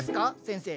先生。